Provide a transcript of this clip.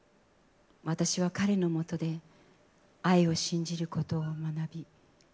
私は彼のもとで愛を信じることを学び